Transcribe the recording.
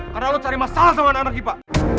karena lo cari masalah sama anak anak ipa